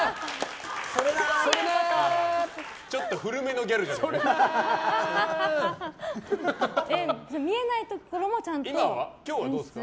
ちょっと古めのギャルじゃないですか。